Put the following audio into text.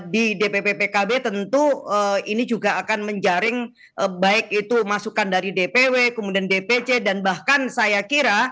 di dpp pkb tentu ini juga akan menjaring baik itu masukan dari dpw kemudian dpc dan bahkan saya kira